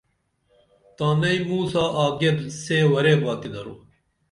تانئی موں سا آگیپ سے ورے باتی درو